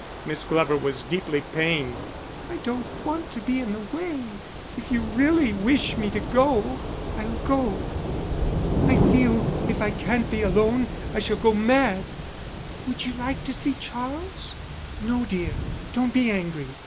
Miss Glover was deeply pained. "I don't want to be in the way. If you really wish me to go, I'll go." "I feel if I can't be alone, I shall go mad." "Would you like to see Charles?" "No, dear. Don't be angry.